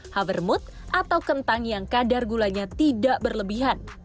hovermooth atau kentang yang kadar gulanya tidak berlebihan